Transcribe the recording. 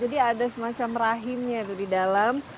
jadi ada semacam rahimnya itu di dalam